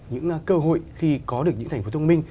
những cơ hội khi có được những thành phố thông minh